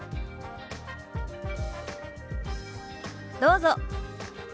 どうぞ。